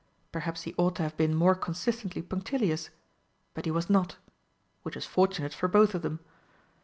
Perhaps he ought to have been more consistently punctilious, but he was not which was fortunate for both of them.